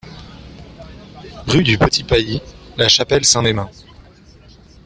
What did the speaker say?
Rue du Petit Pailly, La Chapelle-Saint-Mesmin